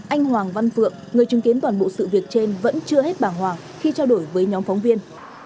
anh hoàng văn phượng người chứng kiến toàn bộ sự việc trên vẫn chưa hết bàng hoàng khi trao đổi với nhóm phóng viên